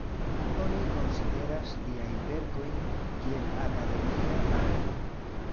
Oni konsideras liajn verkojn kiel akademia arto.